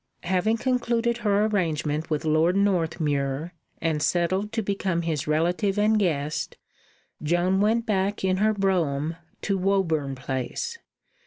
Having concluded her arrangement with Lord Northmuir, and settled to become his relative and guest, Joan went back in her brougham to Woburn Place.